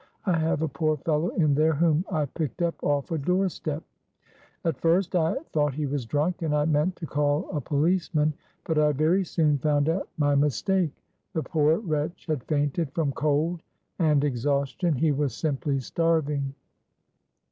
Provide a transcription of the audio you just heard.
I have a poor fellow in there whom I picked up off a door step. At first I thought he was drunk, and I meant to call a policeman, but I very soon found out my mistake. The poor wretch had fainted from cold and exhaustion, he was simply starving."